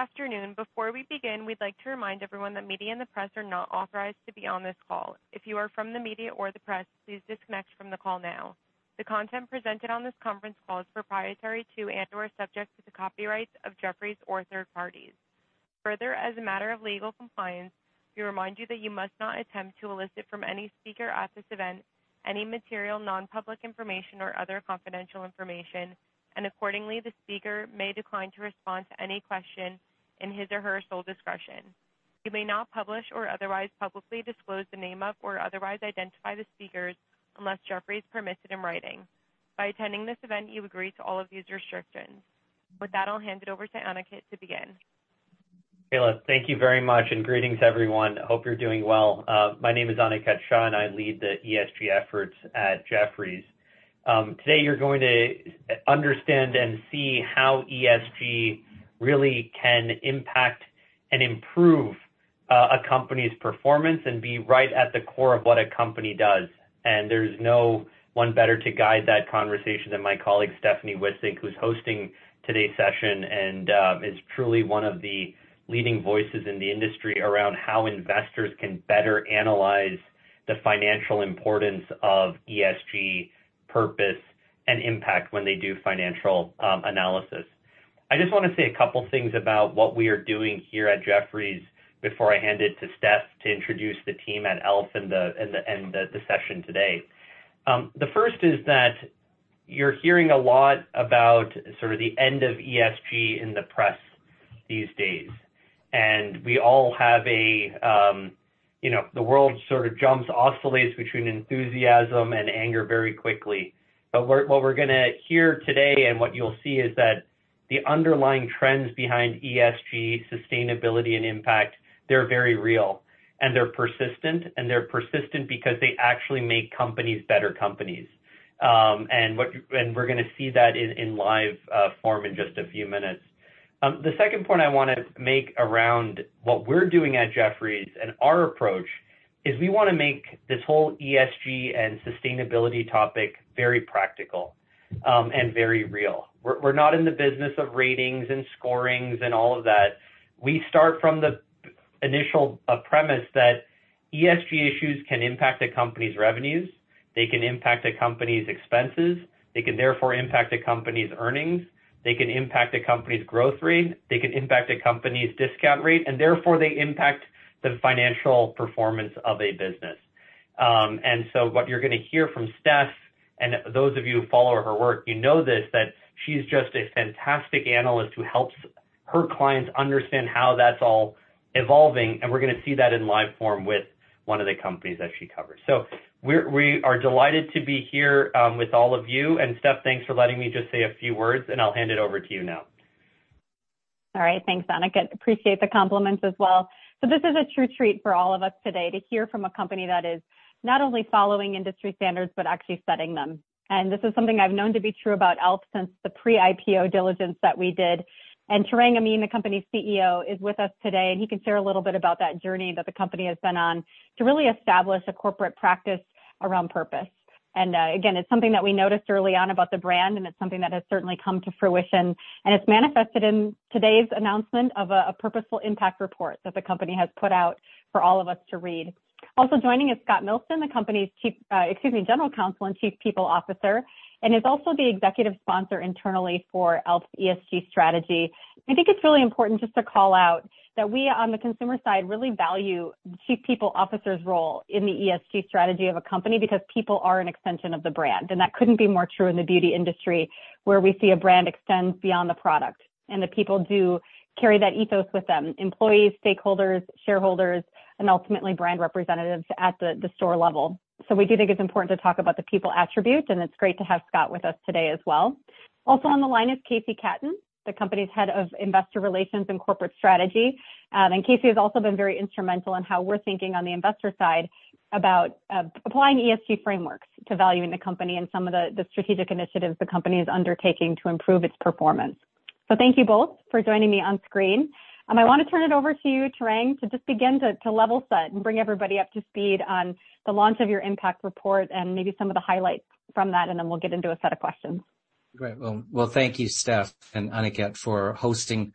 Good afternoon. Before we begin, we'd like to remind everyone that media and the press are not authorized to be on this call. If you are from the media or the press, please disconnect from the call now. The content presented on this conference call is proprietary to and/or subject to the copyrights of Jefferies or third parties. Further, as a matter of legal compliance, we remind you that you must not attempt to elicit from any speaker at this event any material, non-public information or other confidential information. Accordingly, the speaker may decline to respond to any question in his or her sole discretion. You may not publish or otherwise publicly disclose the name of, or otherwise identify the speakers unless Jefferies permitted in writing. By attending this event, you agree to all of these restrictions. With that, I'll hand it over to Aniket to begin. Kasey, thank you very much, and greetings everyone. Hope you're doing well. My name is Aniket Shah, and I lead the ESG efforts at Jefferies. Today you're going to understand and see how ESG really can impact and improve a company's performance and be right at the core of what a company does. There's no one better to guide that conversation than my colleague Stephanie Wissink, who's hosting today's session, and is truly one of the leading voices in the industry around how investors can better analyze the financial importance of ESG purpose and impact when they do financial analysis. I just wanna say a couple things about what we are doing here at Jefferies before I hand it to Steph to introduce the team at e.l.f. and the session today. The first is that you're hearing a lot about sort of the end of ESG in the press these days. We all have a, you know, the world sort of jumps oscillates between enthusiasm and anger very quickly. What we're gonna hear today and what you'll see is that the underlying trends behind ESG, sustainability, and impact, they're very real. They're persistent because they actually make companies better companies. We're gonna see that in live form in just a few minutes. The second point I wanna make around what we're doing at Jefferies and our approach is we wanna make this whole ESG and sustainability topic very practical and very real. We're not in the business of ratings and scorings and all of that. We start from the initial premise that ESG issues can impact a company's revenues, they can impact a company's expenses, they can therefore impact a company's earnings, they can impact a company's growth rate, they can impact a company's discount rate, and therefore they impact the financial performance of a business. What you're gonna hear from Steph, and those of you who follow her work, you know this, that she's just a fantastic analyst who helps her clients understand how that's all evolving, and we're gonna see that in live form with one of the companies that she covers. We are delighted to be here with all of you. Steph, thanks for letting me just say a few words, and I'll hand it over to you now. All right. Thanks, Aniket. Appreciate the compliments as well. This is a true treat for all of us today to hear from a company that is not only following industry standards but actually setting them. This is something I've known to be true about e.l.f. since the pre-IPO diligence that we did. Tarang Amin, the company's CEO, is with us today, and he can share a little bit about that journey that the company has been on to really establish a corporate practice around purpose. Again, it's something that we noticed early on about the brand, and it's something that has certainly come to fruition, and it's manifested in today's announcement of a purposeful impact report that the company has put out for all of us to read. Also joining is Scott Milsten, the company's General Counsel and Chief People Officer, and is also the executive sponsor internally for e.l.f.'s ESG strategy. I think it's really important just to call out that we, on the consumer side, really value chief people officer's role in the ESG strategy of a company because people are an extension of the brand. That couldn't be more true in the beauty industry, where we see a brand extends beyond the product. The people do carry that ethos with them. Employees, stakeholders, shareholders, and ultimately brand representatives at the store level. We do think it's important to talk about the people attribute, and it's great to have Scott with us today as well. Also on the line is KC Katten, the company's head of investor relations and corporate strategy. KC has also been very instrumental in how we're thinking on the investor side about applying ESG frameworks to valuing the company and some of the strategic initiatives the company is undertaking to improve its performance. Thank you both for joining me on screen. I wanna turn it over to you, Tarang, to just begin to level set and bring everybody up to speed on the launch of your impact report and maybe some of the highlights from that, and then we'll get into a set of questions. Great. Well, thank you, Steph and Aniket, for hosting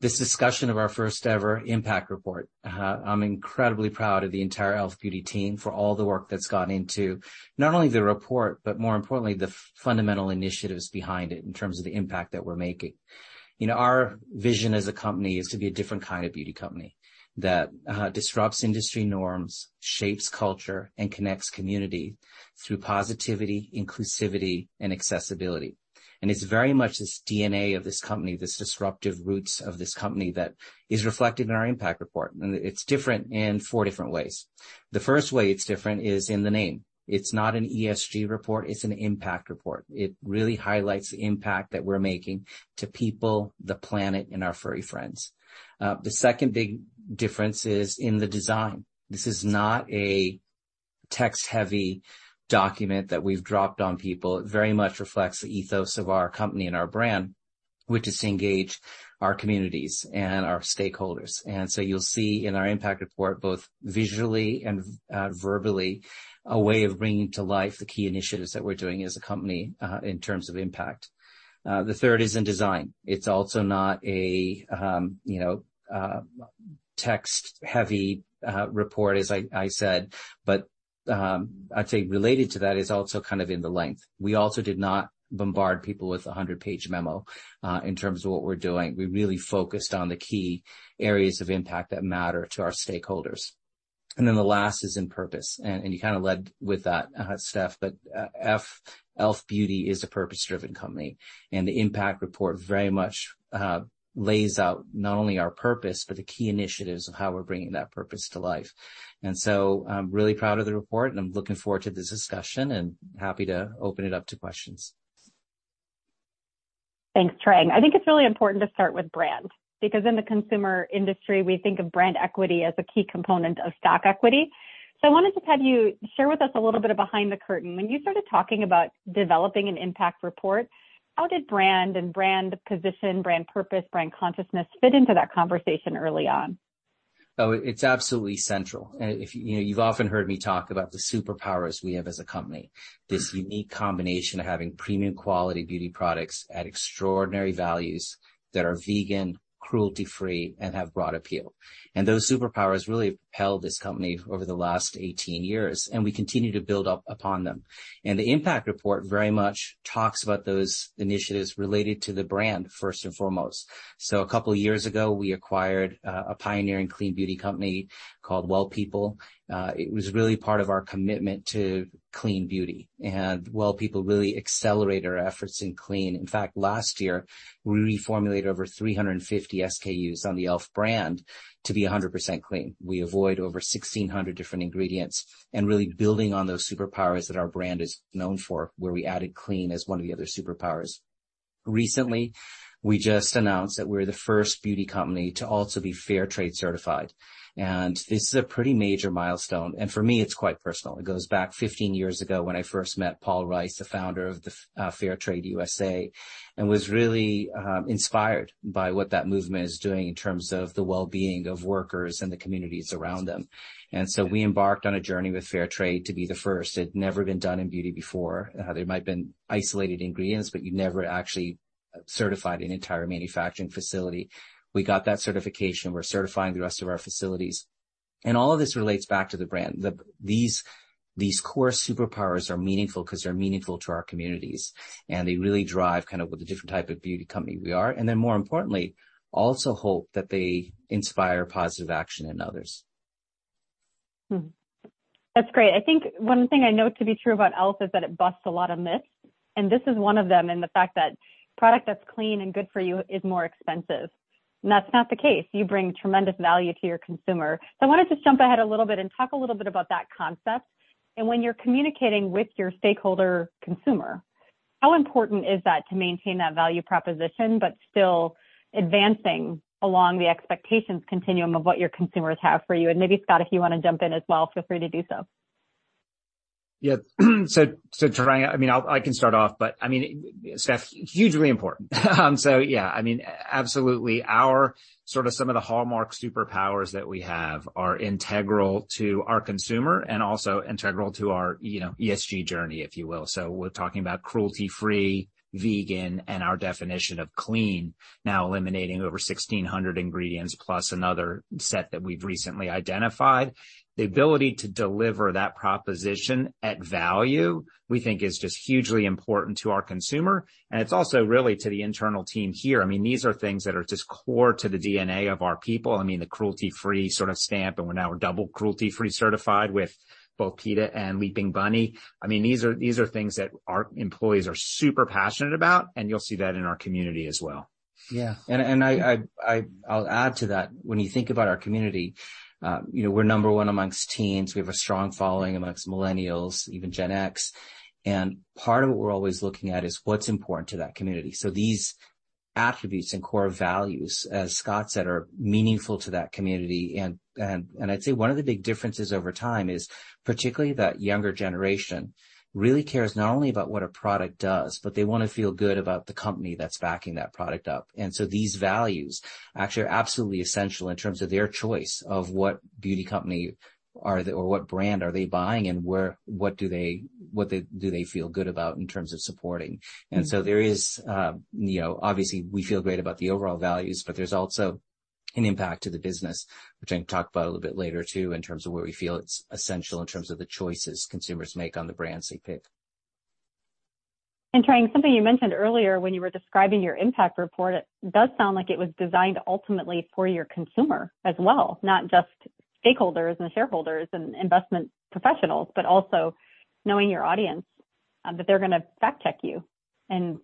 this discussion of our first ever impact report. I'm incredibly proud of the entire e.l.f. Beauty team for all the work that's gone into not only the report, but more importantly, the fundamental initiatives behind it in terms of the impact that we're making. You know, our vision as a company is to be a different kind of beauty company that disrupts industry norms, shapes culture, and connects community through positivity, inclusivity, and accessibility. It's very much this DNA of this company, this disruptive roots of this company that is reflected in our impact report. It's different in four different ways. The first way it's different is in the name. It's not an ESG report, it's an impact report. It really highlights the impact that we're making to people, the planet, and our furry friends. The second big difference is in the design. This is not a text heavy document that we've dropped on people. It very much reflects the ethos of our company and our brand, which is to engage our communities and our stakeholders. You'll see in our impact report, both visually and verbally, a way of bringing to life the key initiatives that we're doing as a company in terms of impact. The third is in design. It's also not a, you know, Text heavy report as I said, but I'd say related to that is also kind of in the length. We also did not bombard people with a 100-page memo in terms of what we're doing. We really focused on the key areas of impact that matter to our stakeholders. The last is in purpose, you kind of led with that, Steph. e.l.f. Beauty is a purpose-driven company, and the impact report very much lays out not only our purpose but the key initiatives of how we're bringing that purpose to life. I'm really proud of the report, and I'm looking forward to this discussion and happy to open it up to questions. Thanks, Tarang. I think it's really important to start with brand, because in the consumer industry, we think of brand equity as a key component of stock equity. I wanted to have you share with us a little bit behind the curtain. When you started talking about developing an impact report, how did brand and brand position, brand purpose, brand consciousness fit into that conversation early on? Oh, it's absolutely central. If, you know, you've often heard me talk about the superpowers we have as a company, this unique combination of having premium quality beauty products at extraordinary values that are vegan, cruelty-free, and have broad appeal. Those superpowers really propelled this company over the last 18 years, and we continue to build up upon them. The impact report very much talks about those initiatives related to the brand first and foremost. A couple of years ago, we acquired a pioneering clean beauty company called W3LL PEOPLE. It was really part of our commitment to clean beauty. W3LL PEOPLE really accelerated our efforts in clean. In fact, last year, we reformulated over 350 SKUs on the e.l.f. brand to be 100% clean. We avoid over 1,600 different ingredients and really building on those superpowers that our brand is known for, where we added clean as one of the other superpowers. Recently, we just announced that we're the first beauty company to also be Fair Trade Certified. This is a pretty major milestone, and for me, it's quite personal. It goes back 15 years ago when I first met Paul Rice, the founder of the Fair Trade USA, and was really inspired by what that movement is doing in terms of the well-being of workers and the communities around them. We embarked on a journey with Fair Trade to be the first. It had never been done in beauty before. There might have been isolated ingredients, but you never actually certified an entire manufacturing facility. We got that certification. We're certifying the rest of our facilities. All of this relates back to the brand. These core superpowers are meaningful because they're meaningful to our communities, and they really drive kind of what the different type of beauty company we are, and then more importantly, also hope that they inspire positive action in others. That's great. I think one thing I know to be true about e.l.f. is that it busts a lot of myths, and this is one of them, and the fact that product that's clean and good for you is more expensive, and that's not the case. You bring tremendous value to your consumer. I want to just jump ahead a little bit and talk a little bit about that concept. When you're communicating with your stakeholder consumer, how important is that to maintain that value proposition, but still advancing along the expectations continuum of what your consumers have for you? Maybe, Scott, if you want to jump in as well, feel free to do so. Yeah. Tarang, I mean, I can start off, but I mean, Steph, hugely important. Yeah, I mean, absolutely. Our sort of some of the hallmark superpowers that we have are integral to our consumer and also integral to our, you know, ESG journey, if you will. We're talking about cruelty-free, vegan, and our definition of clean, now eliminating over 1,600 ingredients, plus another set that we've recently identified. The ability to deliver that proposition at value, we think is just hugely important to our consumer. It's also really to the internal team here. I mean, these are things that are just core to the DNA of our people. I mean, the cruelty-free sort of stamp, and we're now double cruelty-free certified with both PETA and Leaping Bunny. I mean, these are things that our employees are super passionate about, and you'll see that in our community as well. Yeah. I'll add to that. When you think about our community, you know, we're number one amongst teens. We have a strong following amongst millennials, even Gen X. Part of what we're always looking at is what's important to that community. These attributes and core values, as Scott said, are meaningful to that community. I'd say one of the big differences over time is particularly that younger generation really cares not only about what a product does, but they want to feel good about the company that's backing that product up. These values actually are absolutely essential in terms of their choice of what beauty company are they or what brand are they buying and what they feel good about in terms of supporting. There is, you know, obviously, we feel great about the overall values, but there's also an impact to the business, which I can talk about a little bit later too, in terms of where we feel it's essential in terms of the choices consumers make on the brands they pick. Tarang, something you mentioned earlier when you were describing your impact report, it does sound like it was designed ultimately for your consumer as well, not just stakeholders and shareholders and investment professionals, but also knowing your audience, that they're going to fact-check you.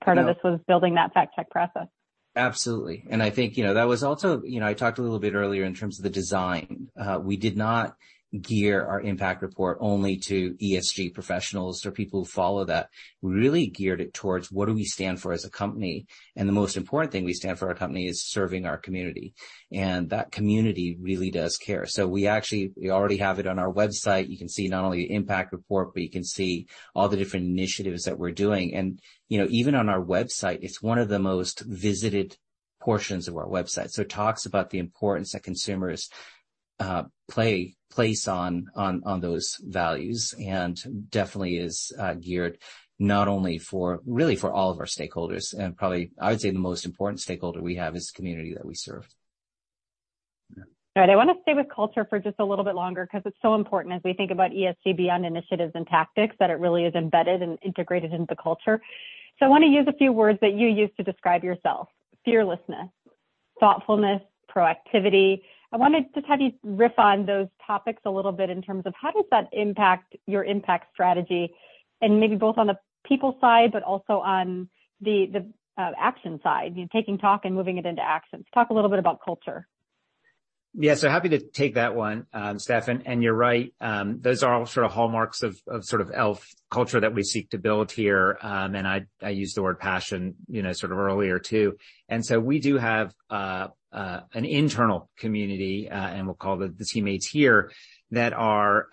Part of this was building that fact-check process. Absolutely. I think, you know, that was also, you know, I talked a little bit earlier in terms of the design. We did not gear our impact report only to ESG professionals or people who follow that. We really geared it towards what do we stand for as a company. The most important thing we stand for our company is serving our community. That community really does care. We actually already have it on our website. You can see not only the impact report, but you can see all the different initiatives that we're doing. You know, even on our website, it's one of the most visited portions of our website. It talks about the importance that consumers place on those values and definitely is geared really for all of our stakeholders. Probably I would say the most important stakeholder we have is the community that we serve. All right. I want to stay with culture for just a little bit longer because it's so important as we think about ESG beyond initiatives and tactics, that it really is embedded and integrated into the culture. I want to use a few words that you use to describe yourself, fearlessness, thoughtfulness, proactivity. I wanted to just have you riff on those topics a little bit in terms of how does that impact your impact strategy and maybe both on the people side, but also on the action side, you know, taking talk and moving it into action. Talk a little bit about culture. Yeah. Happy to take that one, Stephan. You're right, those are all sort of hallmarks of sort of e.l.f. culture that we seek to build here. I used the word passion, you know, sort of earlier too. We do have an internal community, and we'll call the teammates here that are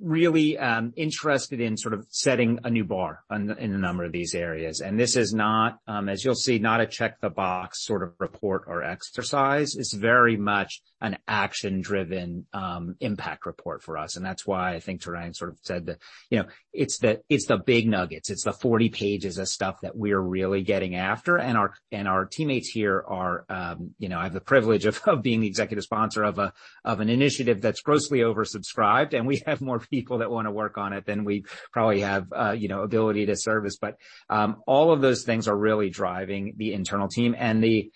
really interested in sort of setting a new bar in a number of these areas. This is not, as you'll see, not a check the box sort of report or exercise. It's very much an action-driven impact report for us. That's why I think Tarang Amin sort of said that, you know, it's the big nuggets. It's the 40 pages of stuff that we are really getting after. Our teammates here are, you know, I have the privilege of being the executive sponsor of an initiative that's grossly oversubscribed, and we have more people that want to work on it than we probably have ability to service. All of those things are really driving the internal team and the.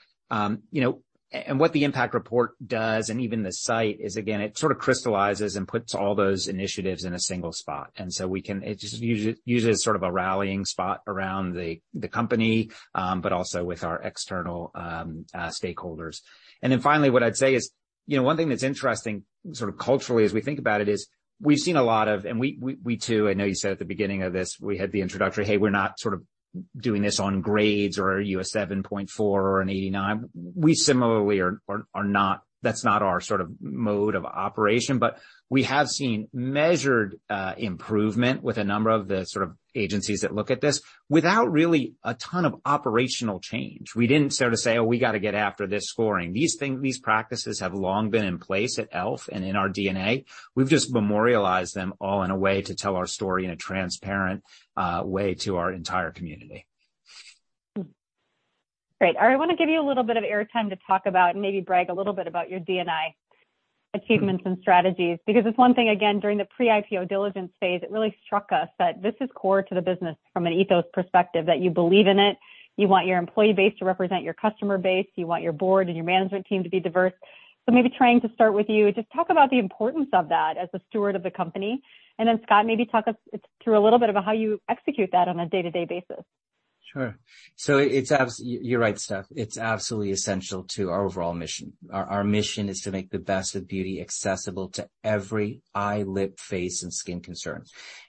What the impact report does and even the site is, again, it sort of crystallizes and puts all those initiatives in a single spot. It just uses sort of a rallying spot around the company, but also with our external stakeholders. Finally, what I'd say is, you know, one thing that's interesting sort of culturally as we think about it is we've seen a lot of. We too, I know you said at the beginning of this, we had the introductory, hey, we're not sort of doing this on grades or are you a 7.4 or a 89. We similarly are not, that's not our sort of mode of operation. We have seen measured improvement with a number of the sort of agencies that look at this without really a ton of operational change. We didn't sort of say, oh, we got to get after this scoring. These things, these practices have long been in place at e.l.f. and in our DNA. We've just memorialized them all in a way to tell our story in a transparent way to our entire community. Great. I want to give you a little bit of airtime to talk about, and maybe brag a little bit about your D&I achievements and strategies, because it's one thing, again, during the pre-IPO diligence phase, it really struck us that this is core to the business from an ethos perspective, that you believe in it. You want your employee base to represent your customer base. You want your board and your management team to be diverse. Maybe Tarang to start with you, just talk about the importance of that as a steward of the company. Scott, maybe talk us through a little bit about how you execute that on a day-to-day basis. Sure. You're right, Steph. It's absolutely essential to our overall mission. Our mission is to make the best of beauty accessible to every eye, lip, face, and skin concern.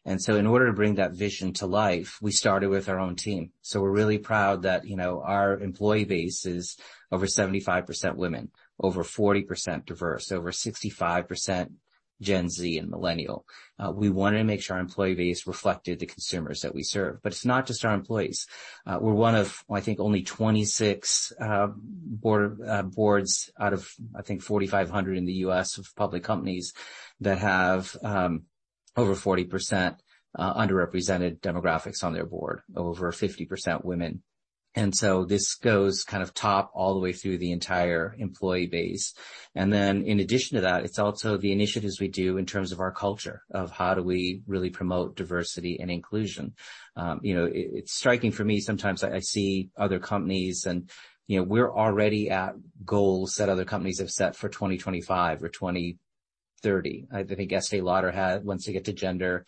In order to bring that vision to life, we started with our own team. We're really proud that, you know, our employee base is over 75% women, over 40% diverse, over 65% Gen Z and millennial. We wanted to make sure our employee base reflected the consumers that we serve. It's not just our employees. We're one of, I think, only 26 boards out of, I think, 4,500 in the US of public companies that have over 40% underrepresented demographics on their board, over 50% women. This goes from top all the way through the entire employee base. In addition to that, it's also the initiatives we do in terms of our culture of how we really promote diversity and inclusion. You know, it's striking for me sometimes. I see other companies and, you know, we're already at goals that other companies have set for 2025 or 2030. I think Estée Lauder wants to get to gender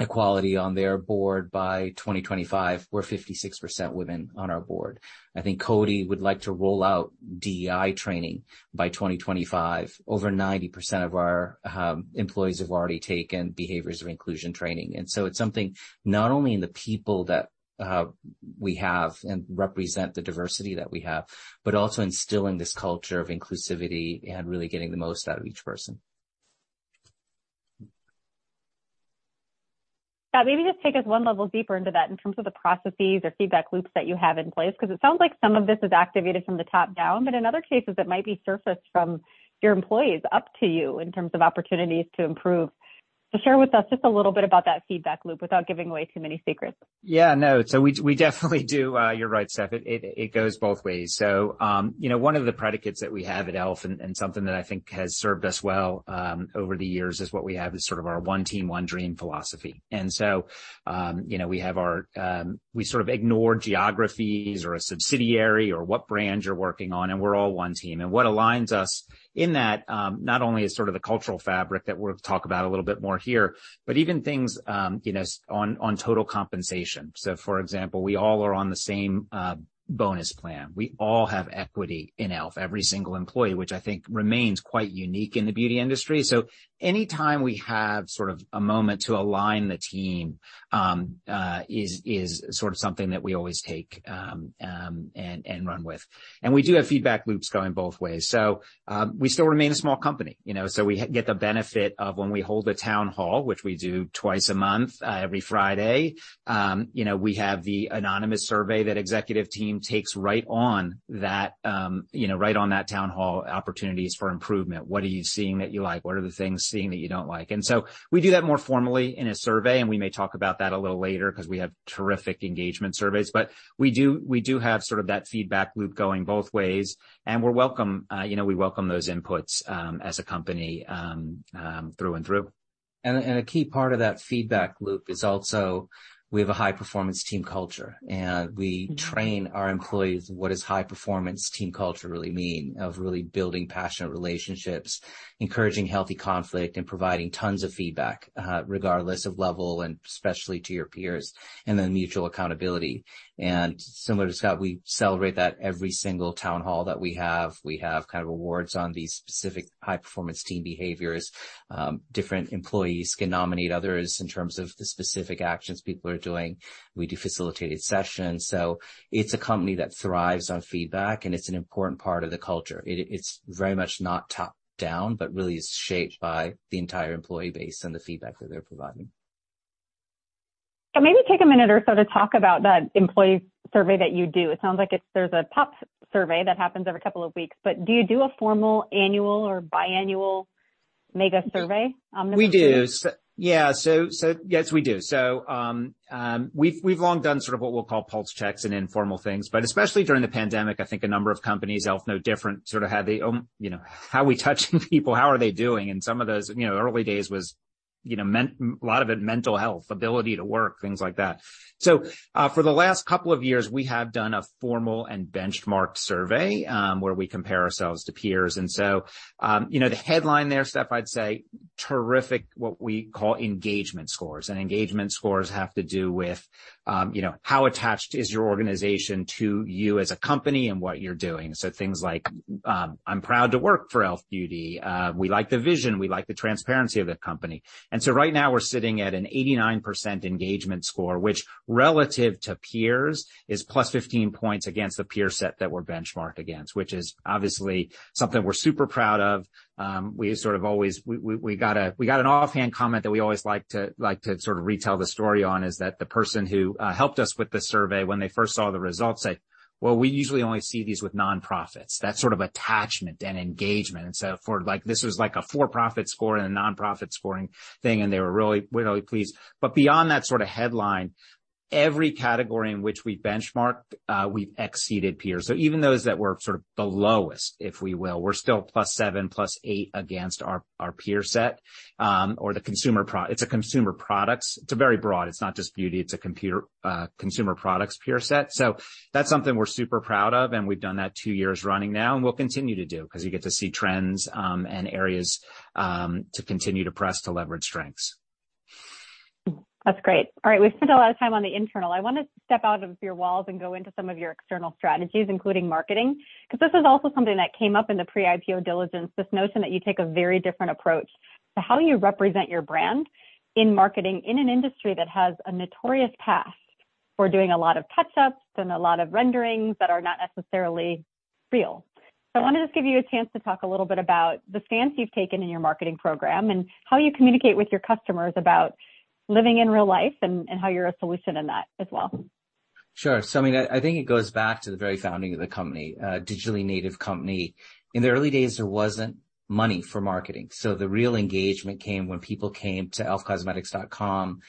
equality on their board by 2025. We're 56% women on our board. I think Coty would like to roll out DEI training by 2025. Over 90% of our employees have already taken Behaviors of Inclusion training. It's something not only in the people that we have and represent the diversity that we have, but also instilling this culture of inclusivity and really getting the most out of each person. Scott, maybe just take us one level deeper into that in terms of the processes or feedback loops that you have in place, because it sounds like some of this is activated from the top down, but in other cases it might be surfaced from your employees up to you in terms of opportunities to improve. Share with us just a little bit about that feedback loop without giving away too many secrets. Yeah, no. We definitely do. You're right, Stephan. It goes both ways. You know, one of the predicates that we have at e.l.f. and something that I think has served us well over the years is what we have is sort of our one team, one dream philosophy. You know, we have our we sort of ignore geographies or a subsidiary or what brand you're working on, and we're all one team. What aligns us in that not only is sort of the cultural fabric that we'll talk about a little bit more here, but even things you know on total compensation. For example, we all are on the same bonus plan. We all have equity in e.l.f., every single employee, which I think remains quite unique in the beauty industry. Anytime we have sort of a moment to align the team, is sort of something that we always take, and run with. We do have feedback loops going both ways. We still remain a small company, you know, so we get the benefit of when we hold a town hall, which we do twice a month, every Friday, you know, we have the anonymous survey that executive team takes right on that, you know, right on that town hall opportunities for improvement. What are you seeing that you like? What are the things seeing that you don't like? We do that more formally in a survey, and we may talk about that a little later because we have terrific engagement surveys. We do have sort of that feedback loop going both ways, and we welcome those inputs, you know, as a company, through and through. A key part of that feedback loop is also we have a high performance team culture, and we train our employees what does high performance team culture really mean of really building passionate relationships, encouraging healthy conflict, and providing tons of feedback, regardless of level, and especially to your peers, and then mutual accountability. Similar to Scott, we celebrate that every single town hall that we have. We have kind of awards on these specific high performance team behaviors. Different employees can nominate others in terms of the specific actions people are doing. We do facilitated sessions. It's a company that thrives on feedback, and it's an important part of the culture. It's very much not top down, but really is shaped by the entire employee base and the feedback that they're providing. Maybe take a minute or so to talk about that employee survey that you do. It sounds like there's a top survey that happens every couple of weeks, but do you do a formal annual or biannual mega survey, anonymous? We do. Yeah. Yes, we do. We've long done sort of what we'll call pulse checks and informal things. Especially during the pandemic, I think a number of companies, e.l.f. no different, sort of had the you know, how are we touching people? How are they doing? Some of those early days was a lot of it mental health, ability to work, things like that. For the last couple of years, we have done a formal and benchmarked survey where we compare ourselves to peers. The headline there, Steph, I'd say terrific, what we call engagement scores. Engagement scores have to do with you know, how attached are you to the organization as a company and what you're doing. Things like, I'm proud to work for e.l.f. Beauty. We like the vision. We like the transparency of the company. Right now we're sitting at an 89% engagement score, which relative to peers is plus 15 points against the peer set that we're benchmarked against, which is obviously something we're super proud of. We sort of always got an offhand comment that we always like to sort of retell the story on, is that the person who helped us with the survey when they first saw the results said, "Well, we usually only see these with nonprofits," that sort of attachment and engagement. For like, this was like a for-profit score and a nonprofit scoring thing, and they were really, really pleased. Beyond that sort of headline, every category in which we benchmarked, we've exceeded peers. Even those that were sort of the lowest, if we will, we're still +7, +8 against our peer set, or the consumer products peer set. It's very broad. It's not just beauty. That's something we're super proud of, and we've done that two years running now and will continue to do because you get to see trends, and areas to continue to press to leverage strengths. That's great. All right. We've spent a lot of time on the internal. I want to step out of your walls and go into some of your external strategies, including marketing, because this is also something that came up in the pre-IPO diligence, this notion that you take a very different approach to how you represent your brand in marketing in an industry that has a notorious past for doing a lot of touch-ups and a lot of renderings that are not necessarily real. I want to just give you a chance to talk a little bit about the stance you've taken in your marketing program and how you communicate with your customers about living in real life and how you're a solution in that as well. Sure. I mean, I think it goes back to the very founding of the company, digitally native company. In the early days, there wasn't money for marketing, so the real engagement came when people came to elfcosmetics.com.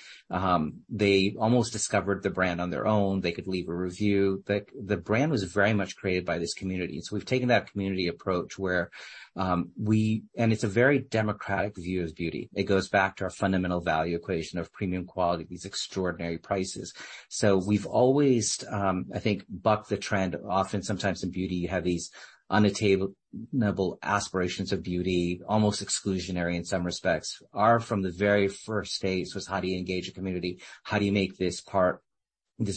They almost discovered the brand on their own. They could leave a review. The brand was very much created by this community. We've taken that community approach where it's a very democratic view of beauty. It goes back to our fundamental value equation of premium quality at these extraordinary prices. We've always, I think, bucked the trend. Often sometimes in beauty, you have these unattainable aspirations of beauty, almost exclusionary in some respects. Ours, from the very first days, was how do you engage a community? How do you make this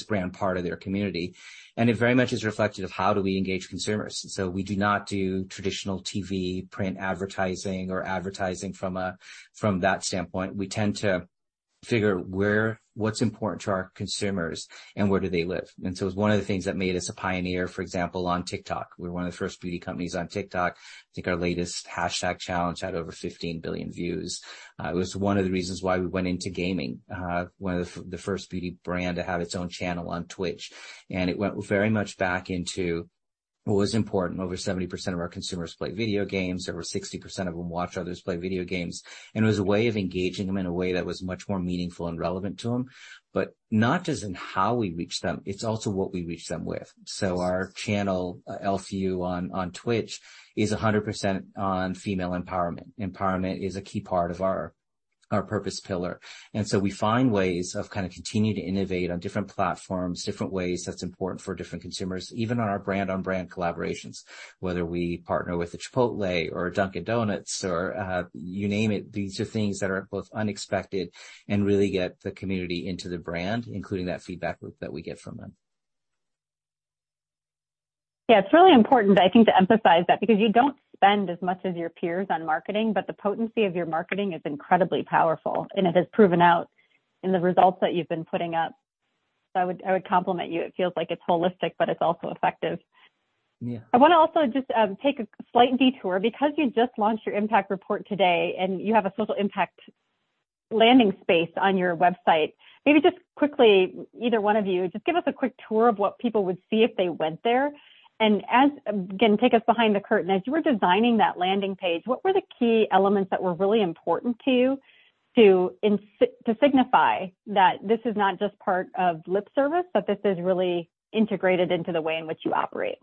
brand part of their community? It very much is reflective of how we engage consumers. We do not do traditional TV, print advertising or advertising from that standpoint. We tend to figure what's important to our consumers and where they live. It's one of the things that made us a pioneer, for example, on TikTok. We're one of the first beauty companies on TikTok. I think our latest hashtag challenge had over 15 billion views. It was one of the reasons why we went into gaming. One of the first beauty brand to have its own channel on Twitch. It went very much back into what was important. Over 70% of our consumers play video games. Over 60% of them watch others play video games. It was a way of engaging them in a way that was much more meaningful and relevant to them. Not just in how we reach them, it's also what we reach them with. Our channel, e.l.f. YOU on Twitch is 100% on female empowerment. Empowerment is a key part of our purpose pillar. We find ways of kind of continuing to innovate on different platforms, different ways that's important for different consumers, even on our brand-on-brand collaborations. Whether we partner with a Chipotle or a Dunkin' or, you name it, these are things that are both unexpected and really get the community into the brand, including that feedback loop that we get from them. Yeah, it's really important, I think, to emphasize that because you don't spend as much as your peers on marketing, but the potency of your marketing is incredibly powerful, and it has proven out in the results that you've been putting up. I would compliment you. It feels like it's holistic, but it's also effective. Yeah. I wanna also just take a slight detour. Because you just launched your impact report today and you have a social impact landing page on your website, maybe just quickly, either one of you, just give us a quick tour of what people would see if they went there. As, again, take us behind the curtain. As you were designing that landing page, what were the key elements that were really important to you to signify that this is not just part of lip service, but this is really integrated into the way in which you operate?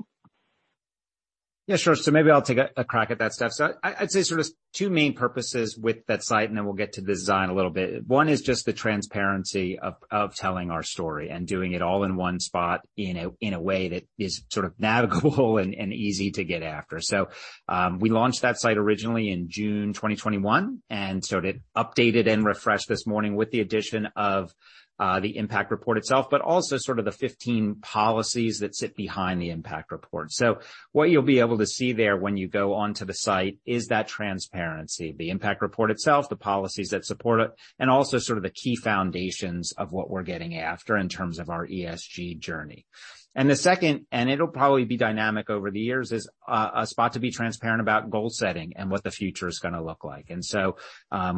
Yeah, sure. Maybe I'll take a crack at that stuff. I'd say sort of two main purposes with that site, and then we'll get to design a little bit. One is just the transparency of telling our story and doing it all in one spot in a way that is sort of navigable and easy to get after. We launched that site originally in June 2021, and it updated and refreshed this morning with the addition of the impact report itself, but also sort of the 15 policies that sit behind the impact report. What you'll be able to see there when you go onto the site is that transparency, the impact report itself, the policies that support it, and also sort of the key foundations of what we're getting after in terms of our ESG journey. The second, and it'll probably be dynamic over the years, is a spot to be transparent about goal setting and what the future is gonna look like.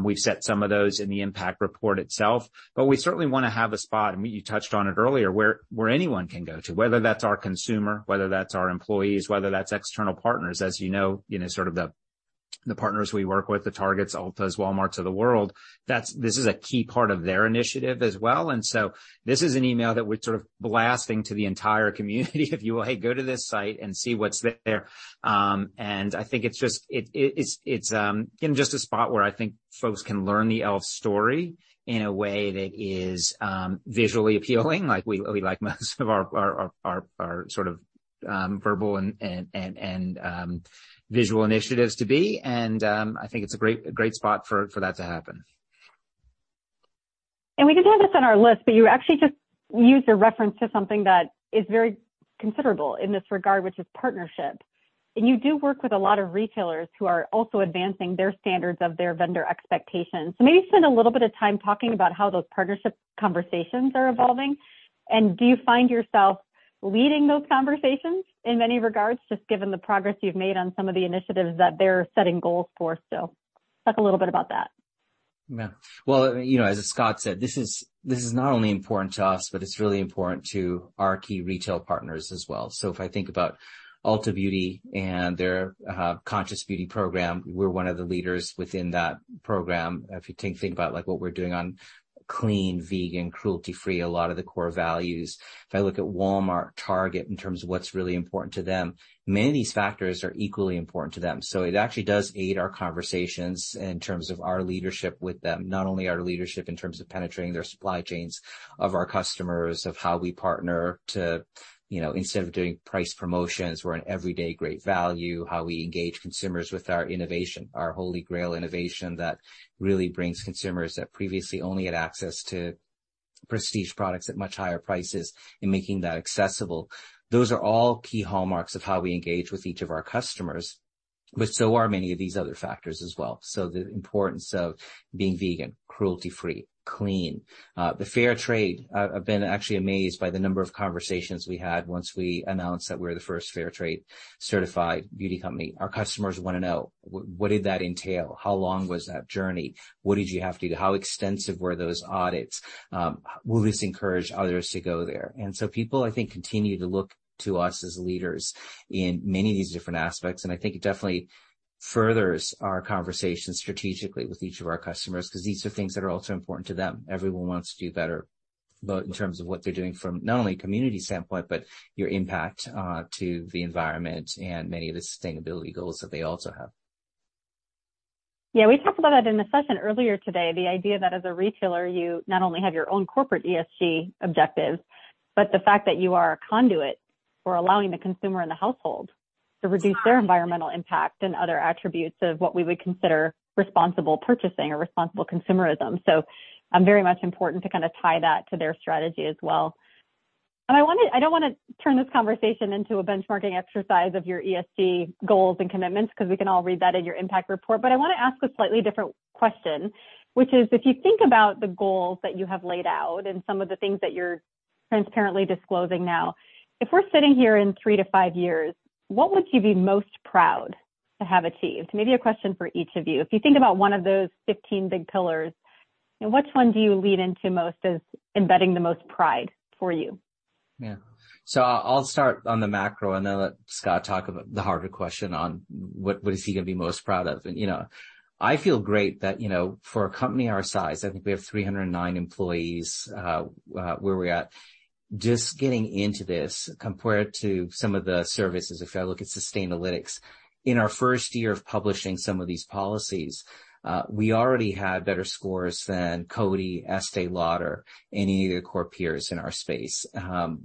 We've set some of those in the impact report itself, but we certainly wanna have a spot, and you touched on it earlier, where anyone can go to, whether that's our consumer, whether that's our employees, whether that's external partners. As you know, you know, sort of the partners we work with, the Target, Ulta, Walmart of the world, that's. This is a key part of their initiative as well. This is an email that we're sort of blasting to the entire community if you will, "Hey, go to this site and see what's there." I think it's just. It's again just a spot where I think folks can learn the e.l.f. story in a way that is visually appealing, like we like most of our sort of verbal and visual initiatives to be. I think it's a great spot for that to happen. We did have this on our list, but you actually just used a reference to something that is very considerable in this regard, which is partnership. You do work with a lot of retailers who are also advancing their standards of their vendor expectations. Maybe spend a little bit of time talking about how those partnership conversations are evolving, and do you find yourself leading those conversations in many regards, just given the progress you've made on some of the initiatives that they're setting goals for still? Talk a little bit about that. Well, you know, as Scott said, this is not only important to us, but it's really important to our key retail partners as well. If I think about Ulta Beauty and their Conscious Beauty program, we're one of the leaders within that program. If you think about, like, what we're doing on clean, vegan, cruelty-free, a lot of the core values. If I look at Walmart, Target, in terms of what's really important to them, many of these factors are equally important to them. It actually does aid our conversations in terms of our leadership with them, not only our leadership in terms of penetrating their supply chains of our customers, of how we partner to, you know, instead of doing price promotions, we're an everyday great value, how we engage consumers with our innovation, our holy grail innovation that really brings consumers that previously only had access to prestige products at much higher prices and making that accessible. Those are all key hallmarks of how we engage with each of our customers, but so are many of these other factors as well. The importance of being vegan, cruelty-free, clean, but Fair Trade. I've been actually amazed by the number of conversations we had once we announced that we're the first Fair Trade Certified beauty company. Our customers wanna know what did that entail? How long was that journey? What did you have to do? How extensive were those audits? Will this encourage others to go there? People, I think, continue to look to us as leaders in many of these different aspects. I think it definitely furthers our conversation strategically with each of our customers, 'cause these are things that are also important to them. Everyone wants to do better, both in terms of what they're doing from not only a community standpoint, but your impact, to the environment and many of the sustainability goals that they also have. Yeah, we talked about that in the session earlier today, the idea that as a retailer, you not only have your own corporate ESG objectives, but the fact that you are a conduit for allowing the consumer and the household to reduce their environmental impact and other attributes of what we would consider responsible purchasing or responsible consumerism. Very much important to kind of tie that to their strategy as well. I don't wanna turn this conversation into a benchmarking exercise of your ESG goals and commitments, 'cause we can all read that in your impact report, but I wanna ask a slightly different question, which is, if you think about the goals that you have laid out and some of the things that you're transparently disclosing now, if we're sitting here in three to five years, what would you be most proud to have achieved? Maybe a question for each of you. If you think about one of those 15 big pillars, you know, which one do you lean into most as embedding the most pride for you? Yeah. I'll start on the macro and then let Scott talk about the harder question on what is he gonna be most proud of. You know, I feel great that, you know, for a company our size, I think we have 309 employees, where we're at, just getting into this compared to some of the services. If you look at Sustainalytics, in our first year of publishing some of these policies, we already had better scores than Coty, Estée Lauder, any of the core peers in our space,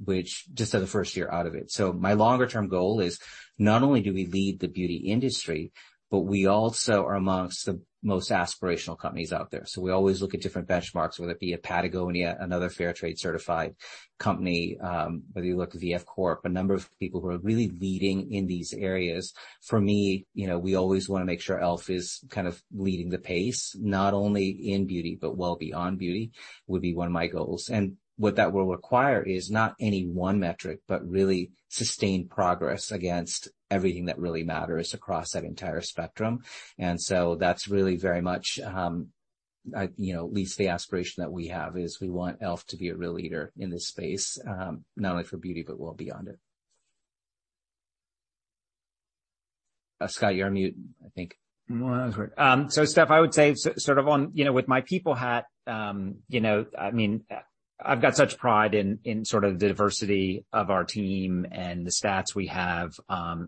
which just did the first year out of it. My longer term goal is not only do we lead the beauty industry, but we also are amongst the most aspirational companies out there. We always look at different benchmarks, whether it be a Patagonia, another Fair Trade Certified company, whether you look at VF Corp, a number of people who are really leading in these areas. For me, you know, we always wanna make sure e.l.f. is kind of leading the pace, not only in beauty, but well beyond beauty, would be one of my goals. What that will require is not any one metric, but really sustained progress against everything that really matters across that entire spectrum. That's really very much, you know, at least the aspiration that we have is we want e.l.f. to be a real leader in this space, not only for beauty, but well beyond it. Scott, you're on mute, I think. No, that was great. Steph, I would say sort of on, you know, with my people hat, you know, I mean, I've got such pride in sort of the diversity of our team and the stats we have,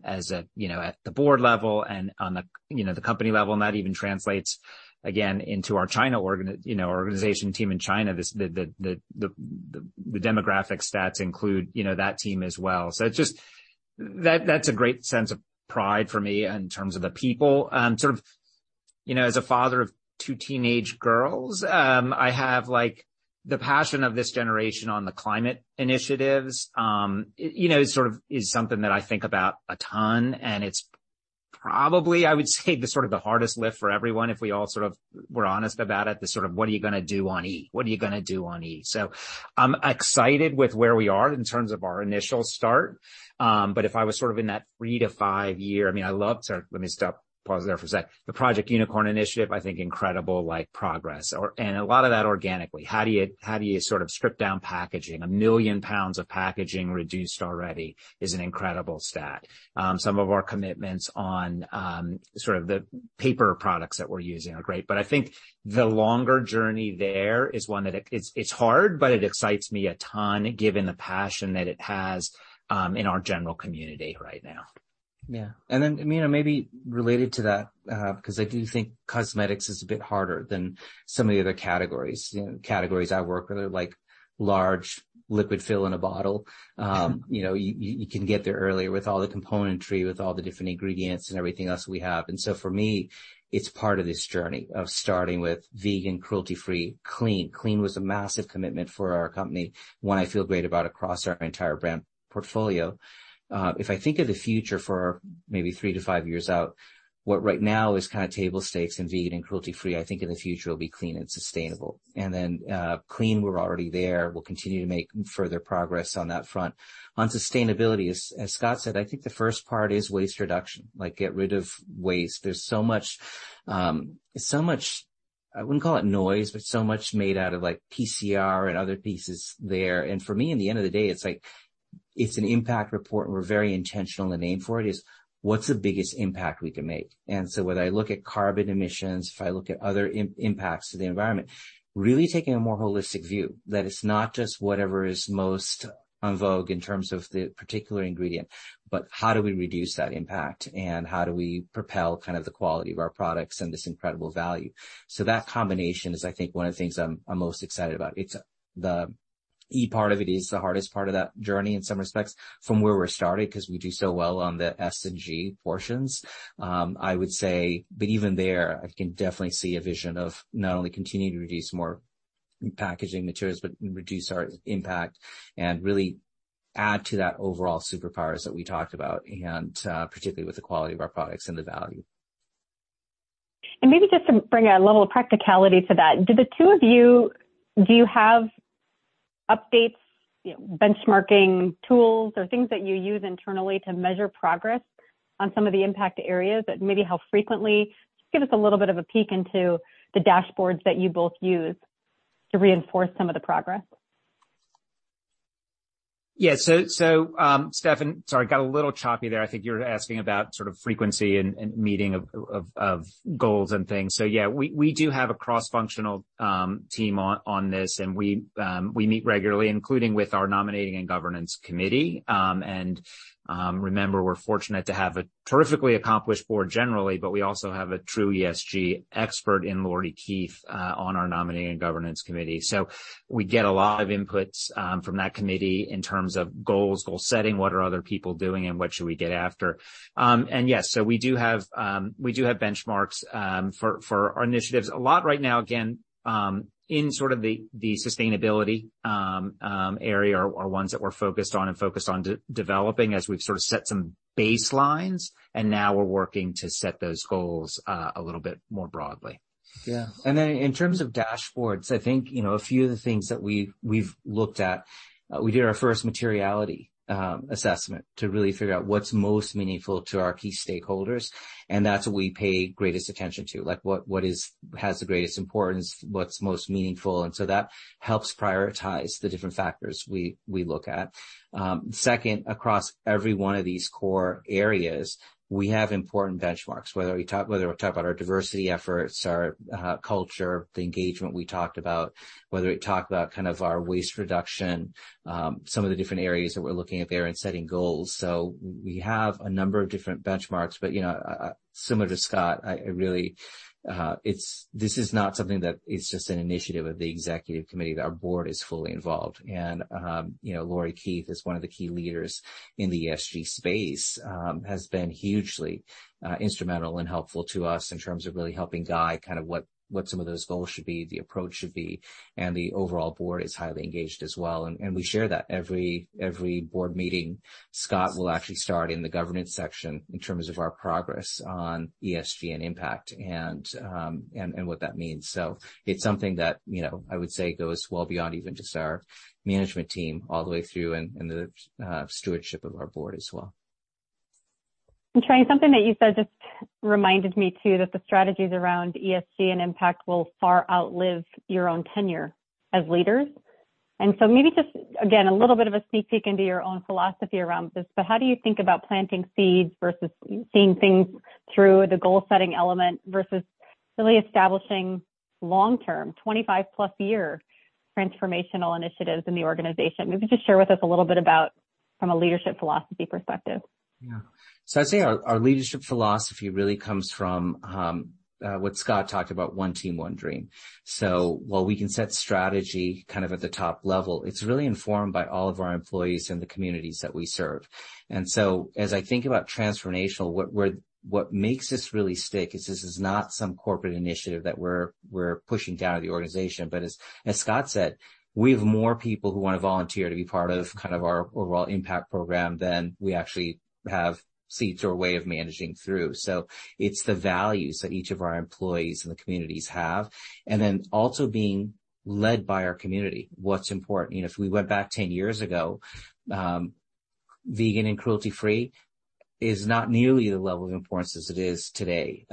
as a, you know, at the board level and on the, you know, the company level. That even translates again into our China organization team in China. The demographic stats include, you know, that team as well. It's just that that's a great sense of pride for me in terms of the people. Sort of, you know, as a father of two teenage girls, I have, like, the passion of this generation on the climate initiatives. You know, sort of is something that I think about a ton, and it's probably, I would say, the sort of hardest lift for everyone if we all sort of were honest about it, the sort of what are you gonna do on E? I'm excited with where we are in terms of our initial start. If I was sort of in that 3- to 5-year, I mean, I love. Let me stop, pause there for a sec. The Project Unicorn initiative, I think incredible, like, progress and a lot of that organically. How do you sort of strip down packaging? 1 million pounds of packaging reduced already is an incredible stat. Some of our commitments on sort of the paper products that we're using are great, but I think the longer journey there is one that it's hard, but it excites me a ton given the passion that it has in our general community right now. Yeah. You know, maybe related to that, 'cause I do think cosmetics is a bit harder than some of the other categories. You know, categories I work with are, like, large liquid fill in a bottle. You know, you can get there earlier with all the componentry, with all the different ingredients and everything else we have. For me, it's part of this journey of starting with vegan, cruelty-free, clean. Clean was a massive commitment for our company, one I feel great about across our entire brand portfolio. If I think of the future for maybe 3-5 years out, what right now is kind of table stakes in vegan, cruelty-free, I think in the future will be clean and sustainable. Clean, we're already there. We'll continue to make further progress on that front. On sustainability, as Scott said, I think the first part is waste reduction, like get rid of waste. There's so much, I wouldn't call it noise, but so much made out of like PCR and other pieces there. For me, in the end of the day, it's like, it's an impact report, and we're very intentional in the name for it, is what's the biggest impact we can make? Whether I look at carbon emissions, if I look at other impacts to the environment, really taking a more holistic view that it's not just whatever is most en vogue in terms of the particular ingredient, but how do we reduce that impact, and how do we propel kind of the quality of our products and this incredible value? That combination is, I think, one of the things I'm most excited about. It's the E part of it is the hardest part of that journey in some respects from where we're starting, 'cause we do so well on the S and G portions. I would say, even there, I can definitely see a vision of not only continuing to reduce more packaging materials, but reduce our impact and really add to that overall superpowers that we talked about, and, particularly with the quality of our products and the value. Maybe just to bring a level of practicality to that, do the two of you have updates, you know, benchmarking tools or things that you use internally to measure progress on some of the impact areas, and maybe how frequently? Just give us a little bit of a peek into the dashboards that you both use to reinforce some of the progress. Yeah. Steph, sorry, got a little choppy there. I think you were asking about sort of frequency and meeting of goals and things. Yeah, we do have a cross-functional team on this, and we meet regularly, including with our nominating and governance committee. Remember, we're fortunate to have a terrifically accomplished board generally, but we also have a true ESG expert in Lori Keith on our nominating and governance committee. We get a lot of inputs from that committee in terms of goals, goal setting, what are other people doing and what should we go after. We do have benchmarks for our initiatives. A lot right now, again, in sort of the sustainability area are ones that we're focused on and focused on developing as we've sort of set some baselines, and now we're working to set those goals, a little bit more broadly. Yeah. In terms of dashboards, I think, you know, a few of the things that we've looked at, we did our first materiality assessment to really figure out what's most meaningful to our key stakeholders, and that's what we pay greatest attention to. Like, what has the greatest importance? What's most meaningful? That helps prioritize the different factors we look at. Second, across every one of these core areas, we have important benchmarks, whether we talk about our diversity efforts, our culture, the engagement we talked about, whether we talk about kind of our waste reduction, some of the different areas that we're looking at there and setting goals. We have a number of different benchmarks. Similar to Scott, I really, this is not something that is just an initiative of the executive committee. Our board is fully involved. Lori Keith is one of the key leaders in the ESG space, has been hugely instrumental and helpful to us in terms of really helping guide kind of what some of those goals should be, the approach should be, and the overall board is highly engaged as well. We share that every board meeting. Scott will actually start in the governance section in terms of our progress on ESG and impact and what that means. It's something that I would say goes well beyond even just our management team all the way through in the stewardship of our board as well. Tarang Amin, something that you said just reminded me too that the strategies around ESG and impact will far outlive your own tenure as leaders. Maybe just, again, a little bit of a sneak peek into your own philosophy around this, but how do you think about planting seeds versus seeing things through the goal-setting element versus really establishing long-term, 25+ year transformational initiatives in the organization? Maybe just share with us a little bit about from a leadership philosophy perspective. Yeah. I'd say our leadership philosophy really comes from what Scott talked about, one team, one dream. While we can set strategy kind of at the top level, it's really informed by all of our employees and the communities that we serve. As I think about transformational, what makes this really stick is this is not some corporate initiative that we're pushing down at the organization. As Scott said, we have more people who wanna volunteer to be part of kind of our overall impact program than we actually have seats or way of managing through. It's the values that each of our employees and the communities have, and then also being led by our community. What's important, you know, if we went back 10 years ago, vegan and cruelty-free is not nearly the level of importance as it is today.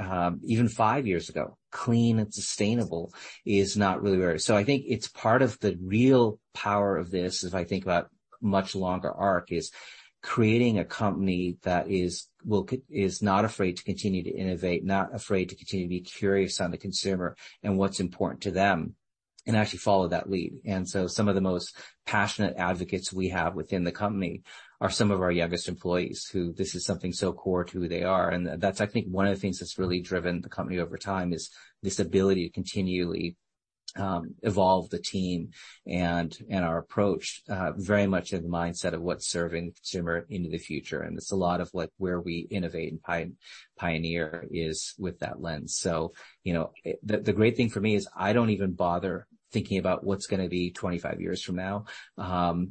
Even five years ago, clean and sustainable is not really where it is. I think it's part of the real power of this, as I think about much longer arc, is creating a company that is not afraid to continue to innovate, not afraid to continue to be curious on the consumer and what's important to them and actually follow that lead. Some of the most passionate advocates we have within the company are some of our youngest employees who this is something so core to who they are. That's, I think, one of the things that's really driven the company over time, is this ability to continually evolve the team and our approach very much in the mindset of what's serving the consumer into the future. It's a lot of like where we innovate and pioneer is with that lens. You know, the great thing for me is I don't even bother thinking about what's gonna be 25 years from now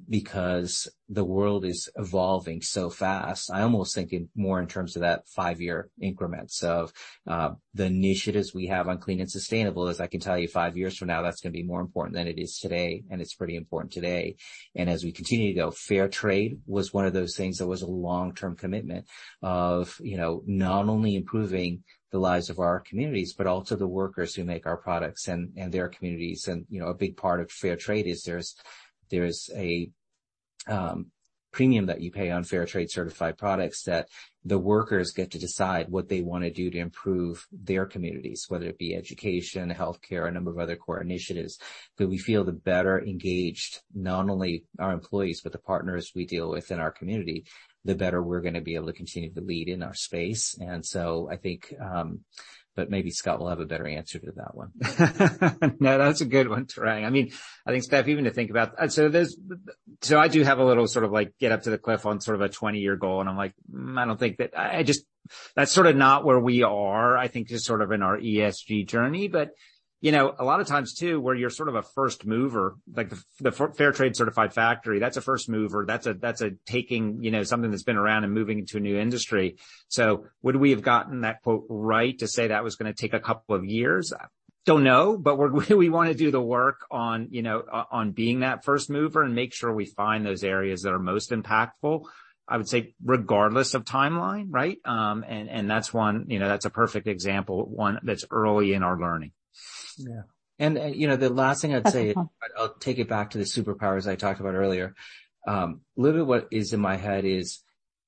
because the world is evolving so fast. I almost think more in terms of that five-year increments of the initiatives we have on clean and sustainable. As I can tell you, five years from now, that's gonna be more important than it is today, and it's pretty important today. As we continue to go, Fair Trade was one of those things that was a long-term commitment of, you know, not only improving the lives of our communities, but also the workers who make our products and their communities. You know, a big part of Fair Trade is there's a premium that you pay on Fair Trade Certified products that the workers get to decide what they wanna do to improve their communities, whether it be education, healthcare, a number of other core initiatives. We feel the better engaged, not only our employees, but the partners we deal with in our community, the better we're gonna be able to continue to lead in our space. I think, but maybe Scott will have a better answer to that one. No, that's a good one, Tarang. I mean, I think, Steph, even to think about. I do have a little sort of like get up to the cliff on sort of a 20-year goal, and I'm like, I don't think that. I just. That's sort of not where we are, I think, just sort of in our ESG journey. You know, a lot of times too, where you're sort of a first mover, like the Fair Trade certified factory, that's a first mover. That's a taking, you know, something that's been around and moving into a new industry. Would we have gotten that quote right to say that was gonna take a couple of years? Don't know. We wanna do the work on, you know, on being that first mover and make sure we find those areas that are most impactful, I would say, regardless of timeline, right? That's one, you know, that's a perfect example, one that's early in our learning. Yeah. You know, the last thing I'd say. That's wonderful. I'll take it back to the superpowers I talked about earlier. A little bit what is in my head is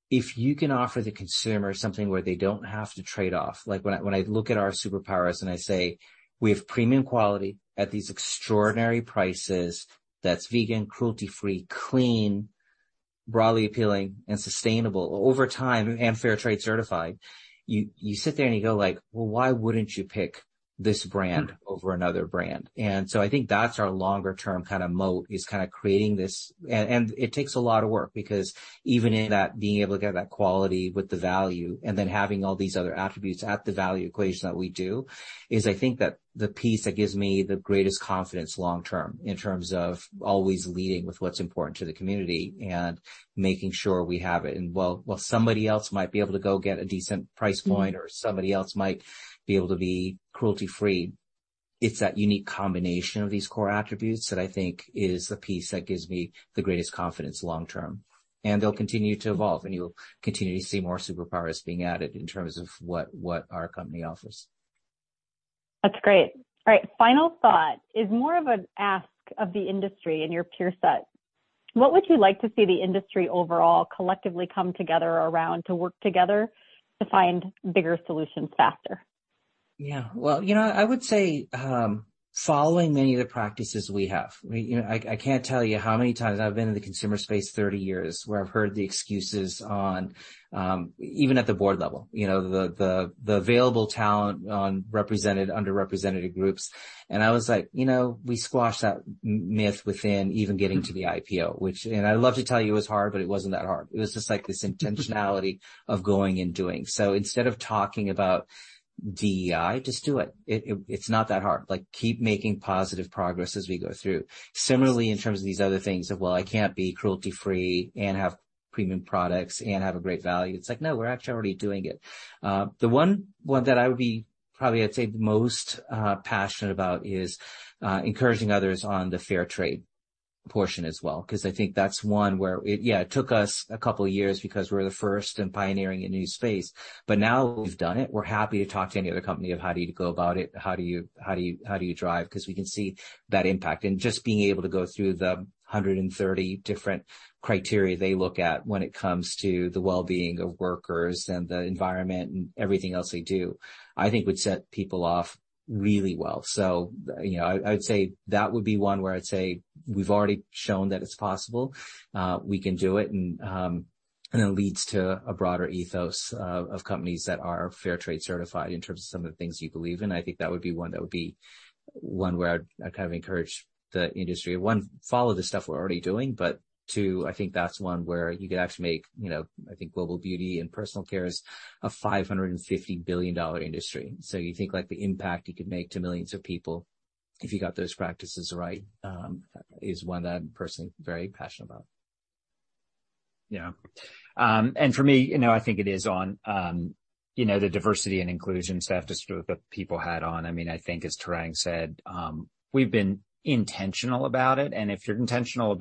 if you can offer the consumer something where they don't have to trade off. Like when I look at our superpowers and I say, we have premium quality at these extraordinary prices that's vegan, cruelty-free, clean, broadly appealing and sustainable over time and Fair Trade Certified, you sit there and you go like, "Well, why wouldn't you pick this brand over another brand?" I think that's our longer term kind of moat, is kind of creating this. It takes a lot of work because even in that, being able to get that quality with the value and then having all these other attributes at the value equation that we do, is I think that the piece that gives me the greatest confidence long term in terms of always leading with what's important to the community and making sure we have it. While somebody else might be able to go get a decent price point or somebody else might be able to be cruelty-free, it's that unique combination of these core attributes that I think is the piece that gives me the greatest confidence long term. They'll continue to evolve, and you'll continue to see more superpowers being added in terms of what our company offers. That's great. All right, final thought is more of an ask of the industry and your peer set. What would you like to see the industry overall collectively come together around to work together to find bigger solutions faster? Yeah. Well, you know, I would say following many of the practices we have. I mean, you know, I can't tell you how many times I've been in the consumer space 30 years where I've heard the excuses on even at the board level, you know, the available talent underrepresented groups. I was like, you know, we squashed that myth within even getting to the IPO, which and I'd love to tell you it was hard, but it wasn't that hard. It was just like this intentionality of going and doing. Instead of talking about DEI, just do it. It's not that hard. Like, keep making positive progress as we go through. Similarly, in terms of these other things of, well, I can't be cruelty-free and have premium products and have a great value, it's like, no, we're actually already doing it. The one that I would be probably I'd say the most passionate about is encouraging others on the Fair Trade portion as well, 'cause I think that's one where it. Yeah, it took us a couple years because we're the first in pioneering a new space, but now we've done it, we're happy to talk to any other company of how do you go about it, how do you drive? 'Cause we can see that impact. Just being able to go through the 130 different criteria they look at when it comes to the well-being of workers and the environment and everything else they do, I think would set people up really well. You know, I'd say that would be one where I'd say we've already shown that it's possible, we can do it, and it leads to a broader ethos of companies that are Fair Trade Certified in terms of some of the things you believe in. I think that would be one where I'd kind of encourage the industry. One, follow the stuff we're already doing, but two, I think that's one where you could actually make, you know, I think global beauty and personal care is a $550 billion industry. You think like the impact you could make to millions of people if you got those practices right is one that I'm personally very passionate about. Yeah. For me, you know, I think it is on, you know, the diversity and inclusion stuff, just with the people hat on. I mean, I think as Tarang said, we've been intentional about it. If you're intentional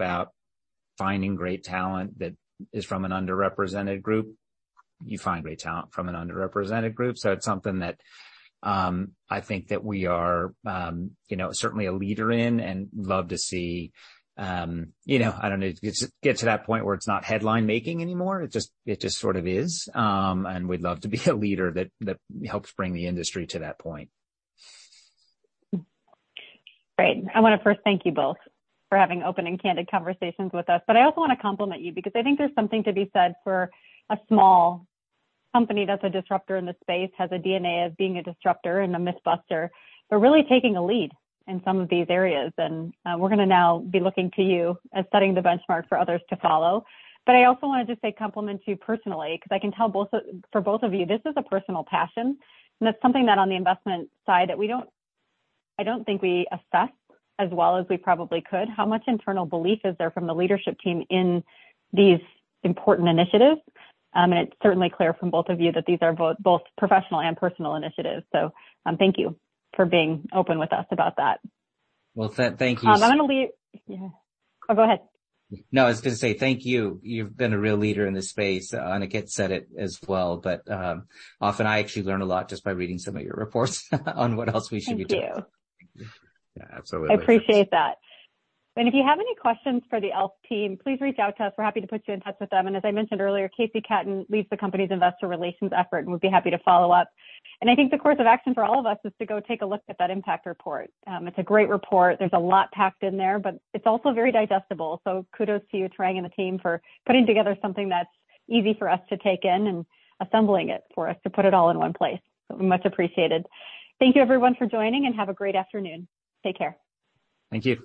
about finding great talent that is from an underrepresented group, you find great talent from an underrepresented group. It's something that, I think that we are, you know, certainly a leader in and love to see, you know, I don't know, get to that point where it's not headline-making anymore. It just sort of is. We'd love to be a leader that helps bring the industry to that point. Great. I wanna first thank you both for having open and candid conversations with us. I also wanna compliment you because I think there's something to be said for a small company that's a disruptor in the space, has a DNA of being a disruptor and a myth buster. They're really taking a lead in some of these areas, and, we're gonna now be looking to you as setting the benchmark for others to follow. I also wanna just say compliment to you personally, 'cause I can tell For both of you, this is a personal passion, and it's something that on the investment side I don't think we assess as well as we probably could how much internal belief is there from the leadership team in these important initiatives. It's certainly clear from both of you that these are both professional and personal initiatives. Thank you for being open with us about that. Well said. Thank you. Yeah. Oh, go ahead. No, I was gonna say thank you. You've been a real leader in this space. Aniket said it as well. Often I actually learn a lot just by reading some of your reports on what else we should be doing. Thank you. Yeah, absolutely. I appreciate that. If you have any questions for the e.l.f. team, please reach out to us. We're happy to put you in touch with them. As I mentioned earlier, KC Katten leads the company's investor relations effort and would be happy to follow up. I think the course of action for all of us is to go take a look at that impact report. It's a great report. There's a lot packed in there, but it's also very digestible. Kudos to you, Tarang and the team, for putting together something that's easy for us to take in and assembling it for us to put it all in one place. Much appreciated. Thank you everyone for joining, and have a great afternoon. Take care. Thank you.